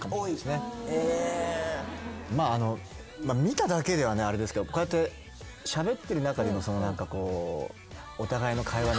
まあ見ただけではあれですけどこうやってしゃべってる中でのその何かこうお互いの会話の。